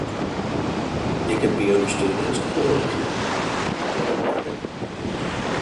It can also be understood as "Quel coup", meaning "What a bargain".